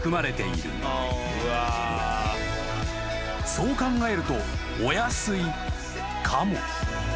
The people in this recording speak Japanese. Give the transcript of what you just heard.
［そう考えるとお安いかも］